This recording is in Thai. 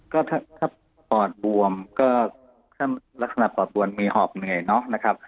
ก็ถ้าปอดบวมก็ถ้ารักษณะปอดบวมมีหอบไหนนะครับ